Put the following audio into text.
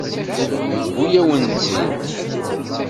Yewwi-yawen-tt-id.